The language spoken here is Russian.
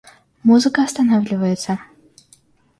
Музыка останавливается.